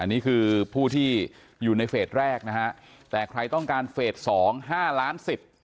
อันนี้คือผู้ที่อยู่ในเฟสแรกนะคะแต่ใครต้องการเฟส๒๕๑๐๐๐๐บาท